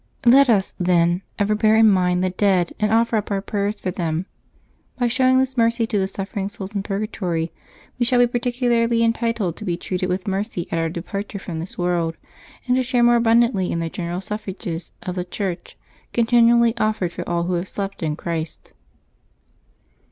Let us, then, ever bear in mind the dead and offer up our prayers for them. By showing this mercy to the suffering souls in purgatory, we shall be particularly entitled to be treated with mercy at our departure from this world, and to share more abundantly in the general suffrages of the Church, continually offered for all who have slept in Christ.